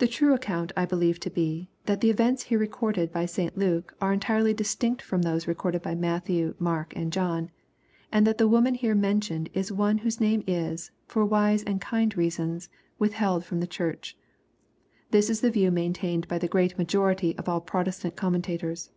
The true account I believe to be, that the events here recorded by St Luke are entirely distinct from those recorded by Matthew, Mark, and John, and that the woman here mentioned is one whose name is, for wise and kind reasons, withheld from the Church. This is the view maintained by the great majority of all Protestant commentators.